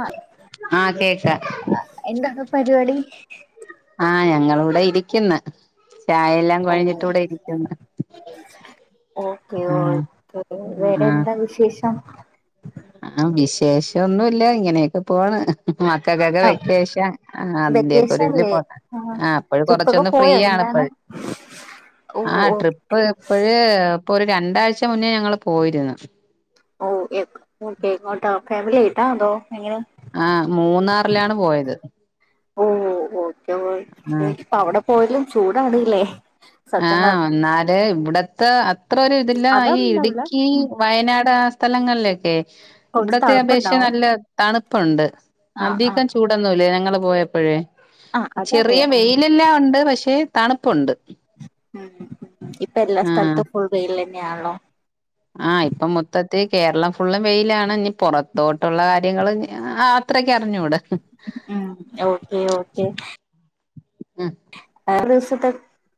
ആഹ ആഹ് കേക്ക എന്താണ് പരിപാടി ആഹ ഞങ്ങള് ഇവിടെ ഇരിക്കുന്ന്‌ ചായെലം ഓ കഴിഞ്ഞിട്ടൂടെ ഇരിക്കുന്നു ഓക്കെ ഓക്കെ വേറെന്താ വിശേഷം ആഹ വിശേഷം ന്നുല്ല ഇങ്ങനെയൊക്കെ പോണ് മക്കൾക്കൊക്കെ ആഹ് വെക്കേഷൻ ആഹ അതിന്റെയൊക്കെ ഒരു ഇതില് വെക്കേഷൻല്ലേ പോണ് ആഹ് ആഹ അപ്പഴ് ട്രിപ്പൊക്കെ കൊറച്ചൊന്ന് ഫ്രീ പോയോ ആണ് എന്താണ് ഇപ്പോഴ് ഓ ഓ ഇപ്പ ഇപ്പഴ് ഇപ്പൊ ഒരു രണ്ടാഴ്ച മുന്നേ ഞങ്ങള് പോയിരുന്ന് ഓ എങ്ങോട്ടാ ഫാമിലി ആയിട്ടാ അതോ എങ്ങനെ ആഹ മൂന്നാറിലാണ് പോയത് ഓ ഓക്കെ ആഹ് പ്പ അവിടെ പോയാലും ചൂടാണല്ലേ ആഹ് എന്നാല് ഇവിടത്തെ അത്ര ഒരു ഇതില്ല ഈ അതൊന്നുണ്ടാവില്ല ഇടുക്കി വയനാട് ആ സ്ഥലങ്ങള്ലെക്കെ കൊറച്ച് ഇവട്ത്തെ അപേക്ഷിച്ച് തണുപ്പുണ്ടാവും നല്ല തണുപ്പുണ്ട് ആഹ് ആഹ് അധികം ചൂടൊന്നുല്ല ഞങ്ങള് പോയപ്പഴേ ആഹ് ചെറിയ അതറിയാം ഉം വെയിലെല്ലാം ഒണ്ട് പക്ഷേ തണ്പ്പുണ്ട് ഉം ഇപ്പൊ എല്ലാ ആഹ് സ്ഥല്ത്തും ഫുൾ വെയില്ലന്നെയാണ്ല്ലോ ആഹ് ഇപ്പം മൊത്തത്തി കേരളം ഫുള്ള് വെയിലാണ് ഇനി പുറത്തോട്ടുള്ള കാര്യങ്ങള് ഇഞ്ഞ് ആഹ് അ ത്രക്ക് അറിഞ്ഞൂടാ ഉം ഓക്കെ ഓക്കേ ഉം ആഹ് എത്രെ ദിവസത്തെ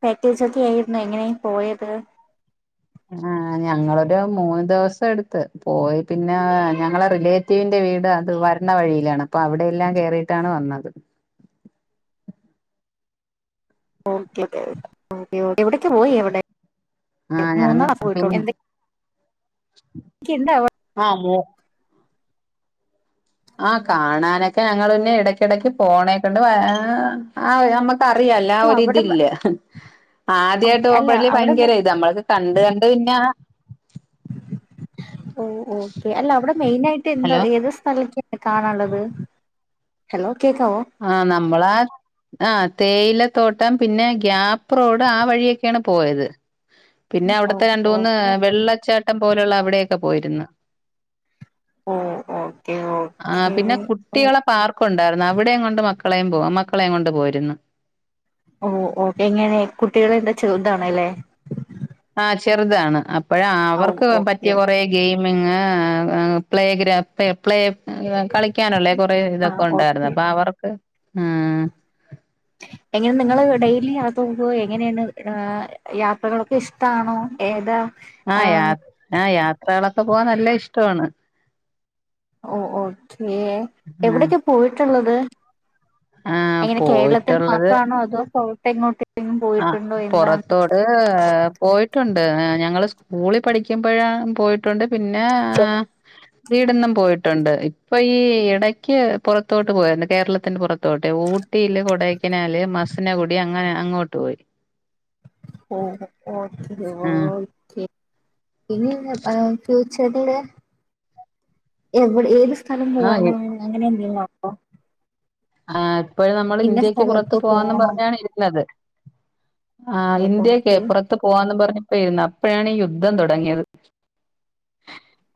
പാക്കേജൊക്കേയായിരുന്നു എങ്ങനെയെ പോയത് ആഹ് ഞങ്ങളൊരു മൂന്ന് ദിവസം എട്ത്ത് പോയി പിന്നെ ഞങ്ങളെ റിലേ ത്തീന്റെ വീട് അത് വരണ വഴിയിലാണ് അപ്പൊ അവടെയല്ലാം കേറിയിട്ടാണ് വന്നത് ഓക്കെ [unintelligible] എവടെക്കെ പോയി എവടെ [unintelligible] ആഹ് ഞങ്ങ മൂന്നാസ് പിന്നെ പോയിട്ടോള്ളു എന്തെക്കെയിണ്ട് അവ ആഹ് മോ ആഹ് കാണാനെക്കെ ഞങ്ങള് പിന്നെ എടക്കിടക്ക് പോണേക്കൊണ്ട് വാ ആവേ നമ്മക്ക് പ്പറിയല്ലാ ആ അല്ല ഒരു അവിടെ ഇതില്ല ആദ്യായിട്ട് ഓക്കെ അല്ല പോവുമ്പഴല്ലേ അവിടെ ഭയങ്കര ഇത് അമ്മള്ക്ക് കണ്ട് കണ്ട് പിന്നെ ഓഹ് ഓക്കേ അല്ല അവടെ മെയിനായിട്ട് എന്താ ഹലോ ഏത് സ്ഥലക്ക്യാ കാണാന്ള്ളത് ഹലോ കേക്കാവോ ആഹ് നമ്മളെ ആഹ് തേയിലത്തോട്ടം പിന്നെ ഗ്യാപ്പ് റോഡ് ആ വഴിയെക്കേണ് പോയത് പിന്നെ ഓ അവടുത്തെ രണ്ട് മൂന്ന് ഓക്കെ വെള്ളച്ചാട്ടം പോലെയുള്ള അവിടെക്കെ പോയിരുന്ന് ഓ ഓക്കെ ആഹ് ഓക്കെ പിന്നെ കുട്ടിക്കളെ പാർക്ക് ഒണ്ടാരുന്നു അ വിടെയും കൊണ്ട് മക്കളെയും പോവാം മക്കളെയും കൊണ്ട് പോയിര്ന്ന് ഓഹ് ഓക്കെ എങ്ങനെ കുട്ടികളെന്താ ചെറ്താണ്ല്ലേ ആഹ് ചെറ്താണ് അപ്പഴെ ആഹ് ഓ അവർക്ക് പറ്റിയ ഓക്കെ കൊറേ ഗെയിമിങ്ങ് ഏഹ് പ്ലേ ഗ്രാപ്പേ പ്ലേ ഏഹ് കളിക്ക്യാനുള്ളെ കൊറേ ആ ഇതൊക്കെ ഒണ്ടാരുന്നു ഓക്കെ അപ്പൊ അവർക്ക് ഉം എങ്ങനെ നിങ്ങള് ഡെയിലി അതും പോയി എങ്ങനേണ് ആഹ് യാത്രക്കളൊക്കെ ഇഷ്ടാണോ ഏതാ ആഹ് യാ ആം ആഹ് യാത്രകളൊക്കെ പോവാൻ നല്ല ഇഷ്ടവാണ് ഓ ഓക്കേ ആ എവിടെക്കെ പോയിട്ടുള്ളത് ആ എങ്ങനെ കേരളത്തിൽ പോയിട്ടുള്ളത് മാത്രാണോ അതോ പുറത്ത് എങ്ങോട്ടെങ്കിലും പോയിട്ടുണ്ടോ എന്താണ്? ഏ പോയിട്ടൊണ്ട് ഞങ്ങള് സ്കൂളിൽ പഠിക്കുമ്പോഴാ പോയി ട്ടുണ്ട് പിന്നെ വീടിന്നും പോയിട്ടൊണ്ട് ഇപ്പൊ ഈ ഇടയ്ക്ക് പുറത്തോട്ട് പോയരുന്നു കേരളത്തിന്റെ പുറത്തോട്ട്ഊ ട്ടിയില് കൊടൈക്കനാല് മസിനകുടി അങ്ങനെ അങ്ങോട്ട് പോയി ഓ ആഹ് ഓക്കഓക്കെ പിന്നെ [unintelligible] ചട്ടല്ലേ എവിടെ ഏത് സ്ഥലം ആഹ് പോവാനാണ് അങ്ങനെ എന്തേലും ആ ഇപ്പോഴും നമ്മള് ഇന്ന ഇന്ത്യക്ക് പുറത്ത് സ്ഥലത്ത് പോവാന്നും പോണം പറഞ്ഞാണ് ഇരിക്കുന്നത് ആ ഓ, ഇന്ത്യക്ക് ഓക്കെ പുറത്ത് പോവാന്നും പറഞ്ഞപ്പോ ഇരുന്നു അപ്പോഴാണ് ഈ യുദ്ധം തുടങ്ങിയത്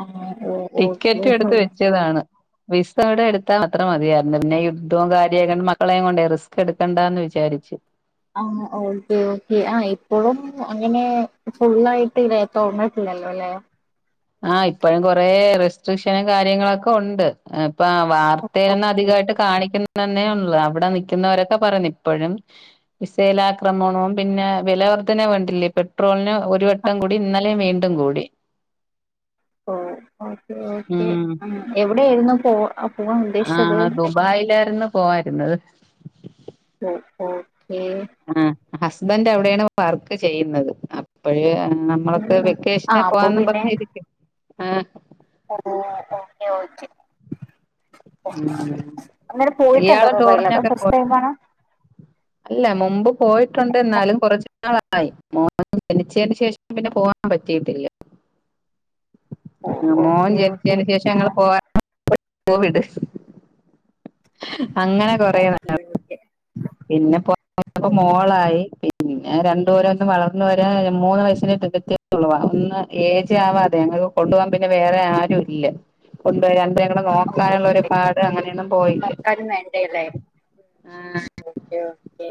ആ ഓ ഓക്കെ ടിക്കറ്റും എടുത്ത് ഓക്കെ വെച്ചതാണ് വിസ ഇവിടെ എടുത്താ അത്ര മതിയായിരുന്നു പിന്നെ യുദ്ധവും കാര്യോകൊണ്ട് മക്കളെയും കൊണ്ടേ റിസ്ക് എടുക്കണ്ടാന്ന് വിചാരിചു ആ ഓക്കേ ഓക്കേ ആ ഇപ്പോഴും അങ്ങനെ ഫുള്ളായിട്ട് തുറന്നിട്ടില്ലല്ലോ ലേ ആ ഇപ്പഴും കൊറേ റെസ്ട്രിക്ഷനും കാര്യങ്ങളൊക്കെ ഒണ്ട് ഇപ്പൊ വാർത്തയിൽ ഒന്നും ഓക്കെ അധികായിട്ട് കാണിക്കുന്ന തന്നേ ഒള്ളൂ ഇവിടെ നിക്കുന്നോരൊക്കെ പറഞ്ഞു ഇപ്പോഴും മിസൈലാക്രമണവും പിന്നെ വില വർധന വേണ്ടില്ലേ പെട്രോളിന് ഒരു വട്ടം കൂടി ഇന്നലേം വീണ്ടും കൂടി ഓ ഓക്കേ ഓക്കേ ഉം എവിടെയായിരുന്നു പോ പോവാൻ ഉദ്ദേശിച്ചത് ദുബായില്ലാരുന്നു. പോവാര്ന്നത്. ഓ ഓക്കേ. ആ ഹസ്ബൻറ്് അവിടെയാണ് വർക്ക് ചെയ്യുന്നത്. അപ്പോഴ് ആ മ്മക്ക് ഉം. ആ വെക്കേഷന് അപ്പൊ പോവാന്ന് പറഞ്ഞരിക്കും ആ ഉവ്വോ ഓക്കെ ഓക്കെ. ഉം അങ്ങനെ പോയിട്ടുണ്ടോ ഇയാള് ദുബായിലൊക്കെ അതോ ടൂറിനൊക്കെ പോ ഫസ്റ്റ് ടൈം ആണോ? അല്ല മുമ്പ് പോയിട്ടുണ്ട്. എന്നാലും കുറച്ച്നാളായി മോന് ജനിച്ചേന് ശേഷം. പിന്നെ പോവാൻ പറ്റിയിട്ടില്ല. [inaudible] ഓ ആ മോൻ ഓക്കെ ഓക്കെ ജനിച്ചേന് ശേഷം ആ ഞങ്ങള് പോ [unintelligible] കോവിഡ് അങ്ങനെ കൊറേ ഓക്കെ വട്ടം ഓക്കെ ഓ പിന്നെപ്പോയപ്പൊ മോളായി പിന്നെ രണ്ട് പേരും ഒന്ന് വളർ. ന്ന് വരാൻ മൂന്ന് വയസിന്. [unintelligible] [unintelligible] ഒന്ന് ഏജ് ആവാതെ ഞങ്ങക്ക് കൊണ്ടു പോകാൻ പിന്നെ വേറെ ആരും ഇല്ല. കൊണ്ടോയാല് ഞങ്ങളെ ഓ നോക്കാനുള്ളൊരുപാട് അങ്ങനെയൊന്നും പോയി. നോക്കാനും വേണ്ടല്ലേ ആ ഓക്കെ ഓക്കെ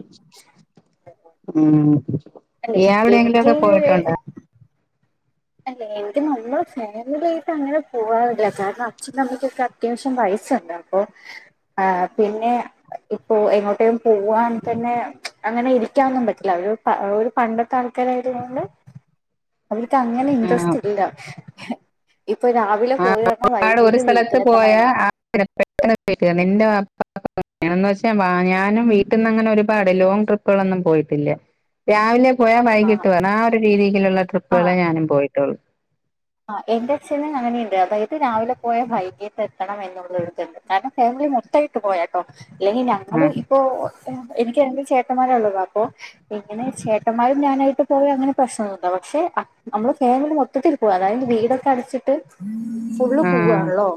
ഉം അല്ലെ ഇയാള് എവിടെയെങ്കിലൊക്കെ എനിക്ക് പോയിട്ടൊണ്ടോ? അല്ല. എനിക്ക് നമ്മള ഫാമിലി ആയിട്ട് അങ്ങനെ പോവാറില്ല കാരണം അച്ഛനും അമ്മയ്ക്കൊക്കെ. അത്യാവശ്യം വയസ്സൊണ്ട്. അപ്പോ ആ പിന്നെ. ഇപ്പോ എങ്ങോട്ടേം പോവാണെങ്കി തന്നെ അങ്ങനെ ഇരിക്കാനൊന്നും പറ്റില്ല. ഒരു പ ഓര് പണ്ടത്തെ ' ആൾക്കാരായതൊണ്ട് അവര്ക്ക് അ. അങ്ങനെ ആഹ് ഇൻട്രസ്റ്റില്ല. ഇപ്പൊ രാ. വിലെ ആഹ് പോയി രണം വൈകീട്ട് വീട്ടിലെത്തണം എന്നാണ്. [inaudible] ന്ന് വെച്ചാൽ ഞാനും വീട്ടിൽ നിന്ന് അങ്ങനെ ഒരുപാട് ലോങ് ട്രിപ്പ്. പ്പ്കളൊന്നും പോയിട്ടില്ല. രാവിലെ പോയാൽ ആ വൈകിട്ട് വരണം. ആഹ് ഒരു രീതിയിലുള്ള ട്രിപ്പുകളെ ഞാനും പോയിട്ടുള്ളൂ. ആഹ് എന്റെ അച്ഛന് അങ്ങനെയുണ്ട്. അതായത് രാവിലെ പോയ വൈകിട്ട് എ. ത്തണം എന്നുള്ളരിത്ണ്ട്. കാരണം ഫാമിലി മൊത്തായിട്ട് പോയാട്ടോ അല്ലെങ്കിൽ ഞങ്ങള് ആഹ് പ്പൊ എനിക്ക് രണ്ട് ചേട്ടന്മാരെ ഉള്ളത് അപ്പൊ ഇങ്ങനെ ചേട്ടന്മാരും ഞാനായിട്ട് പോയാ അങ്ങനെ പ്രശ്നഒന്നുല്ല. പക്ഷെ നമ്മള് ഫേമിലി മൊത്തത്തി. പോക അതായത് വീടൊക്കെ അടച്ചി. ട്ട് ഫുള്ള് ആഹ് പോവാണല്ലോ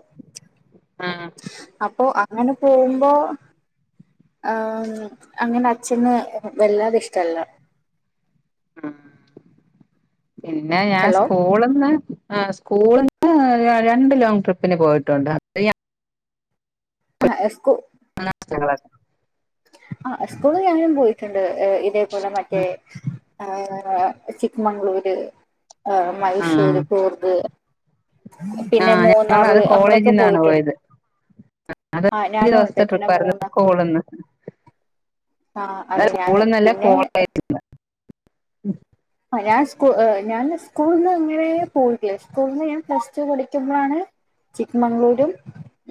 ആഹ് അപ്പോ അ അങ്ങനെ പോകുമ്പോ ഏഹ് അങ്ങനെ അഛന് വല്ലാതെ ഇഷ്ടല്ല. ഉം. പിന്നെ ഞാൻ ഹലോ സ്കൂള്ന്ന്. ആഹ് സ്കൂള്ന്ന് രണ്ട് ലോങ്ങ് ട്രിപ്പിന് പോയിട്ടുണ്ട്. ആഹ് ആഹ് ഏഹ് സ്കൂ. [inaudible] ആഹ് സ്കൂള് ഞാനും പോയിട്ടുണ്ട്. ഇതേപോലെ മറ്റേ ഏഹ് ചിക്മംഗ്ളൂര്, എഹ് മൈസൂര്, കൂർഗ്. പിന്നെ ആഹ് മൂന്നാറ് ഞങ്ങളത് അവിടൊക്കെ കോളേജിന്നാണ് പോയിട്ടുണ്ട് പോയത്. അത് ആ അഞ്ചു ഞാനും ഉണ്ട് ദിവസത്തെ ട്രിപ്പ പിന്നെ ആയിരുന്നു മൂന്നാർ സ്കൂള്ന്ന്. ആഹ് അതെ ഞാന് പിന്നെ. പയാ സ്കൂ ഞാൻ സ്കൂൾന്ന് ങ്ങനെ പോയിട്ടില്ല. സ്കൂൾന്ന് ഞാൻ പ്ലസ് ടു പഠിക്കുമ്പോണ്. ചിക്ക്മംഗ്ളൂരും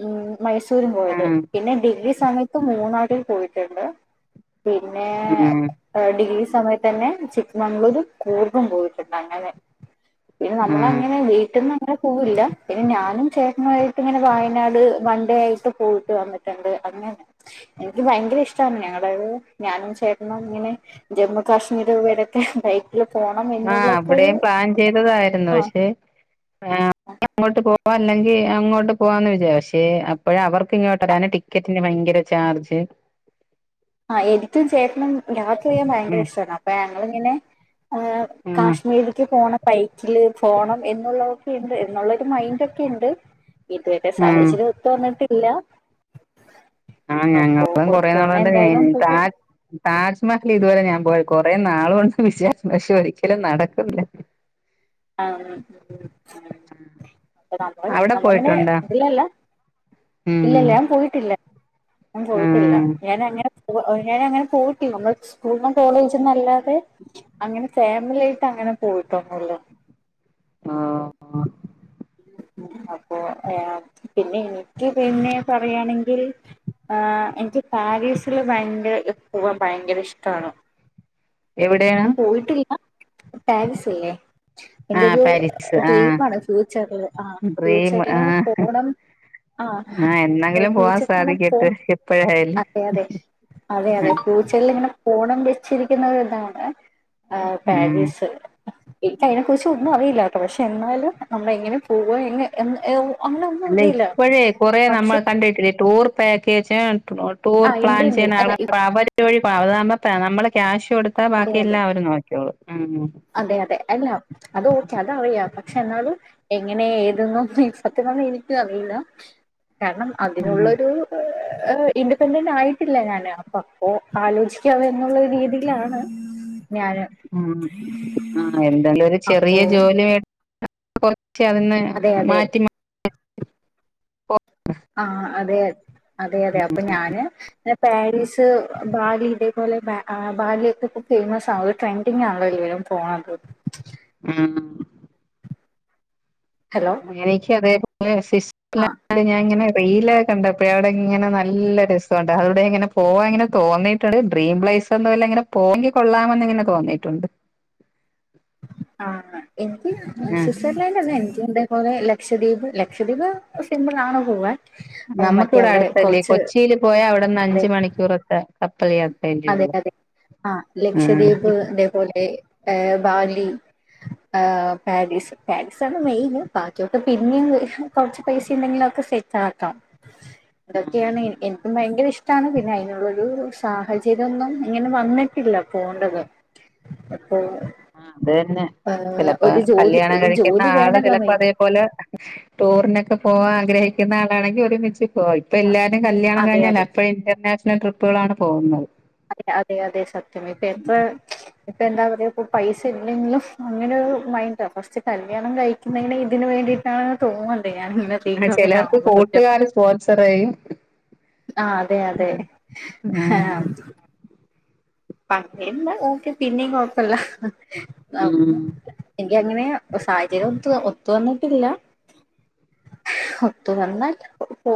ഉം മൈസൂരും പോയത് ആഹ് പിന്നെ ഡിഗ്രി. സമയത്ത് മൂന്നാരിൽ പോയിട്ടുണ്ട്. പിന്നെ ഉം ഉം ഏഹ് ഡിഗ്രി സമയത്തന്നെ ചിക്ക്മംഗളൂര് കൂർഗും പോയിട്ടുണ്ട്. അങ്ങനെ പിന്നെ ഉം നമ്മളങ്ങെ നെ വീട്ടിൽന്നും അങ്ങനെ പോവില്ല പിന്നെ ഞാനും ചേട്ടനുമായിട്ട് ഇങ്ങനെ വയനാട് വൺണ്ടേ ആയിട്ട് പോയിട്ട് വന്നി ട്ട്ണ്ട് അങ്ങനെ എനിക്ക് ഭയങ്കര ഇഷ്ടാണ് ഞങ്ങള് ഞാനും ചേട്ടന്നും ഇങ്ങനെ ജമ്മു കാശ്മീർ ഇവിടൊക്കെ ണ്ടായി ല് പോണം ആഹ് എന്നുള്ളൊക്കെ ഒരു ഇവിടെയും പ്ലാൻ ചെയ്തതായിരുന്നു ആ പക്ഷേ ആഹ് അങ്ങോട്ട് പോവാ അല്ലെങ്കി അങ്ങോട്ട് പോവാന്ന് വിചാരിച്ച് പക്ഷെ അപ്പോഴ അവർക്ക് ഇങ്ങോട്ട് വരാന് ട്ടി ക്കറ്റിന് ഭയങ്കര ചാർജ് ആഹ് എനിക്കും ചേട്ടനും യാത്ര ചെയ്യാൻ ഭയങ്കര ഉം ഇഷ്ടാണ് അപ്പൊ ഞങ്ങള്ങ്ങനെ ഏഹ് ഉം കാശ്മീരിക്ക് പോണം ബൈക്കില് ഫോണം എന്നുള്ളതൊക്കെ ഉണ്ട് എന്നുള്ളൊരു മൈൻഡ് ഒക്കെണ്ട് ഇതുവരെ ഉം സാഹചര്യം ഒത്ത് വന്നിട്ടില്ല ആഹ് അപ്പോ ഞങ്ങളും കൊറെ ഒത്തു വന്ന നാളുകൊണ്ട് എന്തായാലും [unintelligible] പോകും താജ് താജ്മഹൽ ഇതുപോലെ ഞാൻ പോയ കൊറെ നാള് കൊണ്ട് വിചാരിക്കുന്നു പക്ഷെ ഒരിക്കലും നടക്കുന്നില്ല ആഹ് നമ്മൾ അവിടെ നമ്മൾങ്ങനെ പോയിട്ടുണ്ടോ ഇല്ലല്ല ഇല്ലല്ല ഉം ഞാൻ പോയിട്ടില്ല ഞാൻ പോയിട്ടില്ല ആഹ് ഞാനങ്ങനെ [unintelligible] ഞാൻ അങ്ങനെ പോയിട്ടില്ല നമ്മൾ സ്കൂൾന്നും കോളേജ്ന്നും അല്ലാതെ അങ്ങനെ ഫാമിലി ആയിട്ട് അങ്ങനെ പോയിട്ടൊന്നുല്ല ആഹ് ആഹ് അപ്പൊ പിന്നെ എനിക്ക് പിന്നെ പറയയാണെങ്കിൽ ആ എനിക്ക് പാരീസില് ഭയങ്കര പോവാൻ ഭയങ്കര ഇഷ്ടമാണ് എവിടെയാണ് ഞാൻ പോയിട്ടില്ല പാരിസില്ലേ ആഹ് എന്റെരു പാരീസ് ആഹ് ഡ്രീമാണ് ഫ്യൂച്ചറില് ആ ഡ്രീം ഫ്യൂച്ചറിന് ആഹ് പോണം ആഹ് എന്നെങ്കിലും പോവാൻ ഫ്യൂച്ചറില് പോ സാധിക്കട്ടെ എപ്പോഴായാലും അതെ അതെ അതെ അതെ ആഹ് ഫ്യൂ ചറില് ഇങ്ങനെ പോണം വെച്ചിരിക്കുന്ന ഇതാണ് ആ ഉം പാരീസ് എനിക്ക് അതിനെ കുറിച്ച് ഒന്നും അറിയില്ല കേട്ടോ പക്ഷെ എന്നാലും നമ്മള് എങ്ങനെ പോവ എന്ന് അല്ല ഇപ്പോഴേ കൊറെ നമ്മൾ കണ്ടിട്ടില്ല ടൂർ പാക്കേജും ആ ടൂർ ഉണ്ട് പ്ലാൻ ഉണ്ട് ചെയ്യുന്ന ആള് അല്ല ഇ- അവര് വഴി പാം അതാവുമ്പ നമ്മള് ക്യാഷ് കൊടുത്താ അതെ ബാക്കി അതെ എല്ലാം അവര് നോക്കിക്കോള്ളും അതെ അതെ അല്ല അത് ഓക്കെ അത് അറിയാം പക്ഷെ എന്നാലും എങ്ങനെ ഏതെന്ന് ഒന്നും സതൃം പറഞ്ഞ എനിക്കും അറിയില്ല കാരണം ഉം അതിനുള്ളൊരു [inaudible] ഇൻഡിപെൻഡന്റ് ആയിട്ടില്ല ഞാന് അപ്പ അപ്പൊ ആലോചിക്കാം എന്നുള്ള രീതിയിലാണ് ഞാന് ഉം ആഹ് എന്തെങ്കിലും ഒരു ചെറിയ അപ്പോ ജോലി [unintelligible] ആവുന്ന അതെ അതെ മാറ്റി ആഹ് അതെ അതെ അതെ അപ്പൊ ഞാന് പാരീസ് ഭാവീല് അതുപോലെ ബാലിയൊക്കെ ഇപ്പൊ ഫേമസ് ആവും ട്രെൻഡിങ് ആണല്ലോ എല്ലാരും പോണത് ഉം ഹലോ [inaudible] ആ അത് ഞാന് ഇങ്ങനെ റീല കണ്ടപ്പോഴ അവിടെ ഇങ്ങനെ നല്ല രസമുണ്ട് അതവിടെ ഇങ്ങനെ പോവാ അങ്ങനെ തോന്നി ഡ്രീം പ്ലൈസ് ഒന്നും ഇല്ല ഇങ്ങനെ പോങ്കി കൊള്ളാന്ന് ഇങ്ങനെ തോന്നയിട്ടുണ്ട് [inaudible] അന്ന ആ എനിക്ക് ഇതേപോലെ ലക്ഷദ്വീപ് ലക്ഷദ്വീപ് സിംമ്പിൾ ആണ് പോവാൻ മറ്റേ ഞമ്മക്കിവിടെ അവിടെ അടുത്തല്ലേ കുറച്ച് കൊച്ചീല് പോയാ അവിടെന്ന് അതെ അഞ്ച് മണിക്കൂറത്തെ കപ്പൽ യാ അതെ അതെ ആഹ് ലക്ഷദ്വീപ് അതേപോലെ ഏ ബാലി ആഹ് പാരീസ് പാരീസാണ് മെയിൻ ബാക്കിയക്കെ പിന്നെയും കൊറച്ച് പൈസ ഉണ്ടങ്കിൽ ഒക്കെ സെറ്റ് ആക്കാം. ഇതൊക്കെയാണ് ആ എനിക്കും ഭയങ്കര ഇഷ്ടമാണ് പിന്നെ അതിനുള്ളരു സാഹചര്യം. ഇതൊന്നും ഇങ്ങനെ വന്നിട്ടില്ല പോണ്ടത് അപ്പൊ. ആഹ് അത് തന്നെ ഏഹ് ചിലപ്പോ ഒരു ജോലി കല്യാണം ഒരു കഴിക്കുന്ന ജോലി ആള് വേണല്ലോ ചിലപ്പോ മെയിൻ അതേപോലെ. ടൂറിനൊക്കെ പോവാൻ ആഗ്രഹിക്കുന്ന ആളാണെങ്കിൽ ഒരുമിച്ച്. ഓ ഇപ്പൊ എല്ലാരും കല്യാണം അതെ കഴിഞ്ഞാല് അതെ അപ്പഴ ഇന്റർനാഷണൽ ട്രിപ്പുകളാണ് പോകുന്നത്. അതെ അതെ അതെ സത്യം ഇപ്പ ട്രിപ്പ്‌ ഇപ്പൾ എന്താ പറയുക ഇപ്പോൾ പൈസ ഇല്ലെങ്കിലും അങ്ങനെരു മൈന്റാ ഫസ്റ്റ് കല്യാണം കഴിക്കുന്നതന്നെ ഇതിനന് വേണ്ടിയിട്ട്. തോന്നുന്നുണ്ട് ഞാൻ ഇങ്ങെ തീക്കൊക്കെ കാണുമ്പോ സത്യം. സ്പോൺസറേയും. ആഹ് അതെ അതെ ആഹ് പണിയില്ലാ ഓക്കെ പിന്നെ കൊഴപ്പില്ല. ഉം എനിക്ക് അങ്ങനെ സാഹചര്യം ഒ ഒത്തു വന്നിട്ടില്ല. ഒത്ത വന്നാൽ പോ